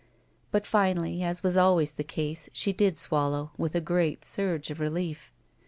But finally, as was always the case, she did swal low, with a great stirge of relief.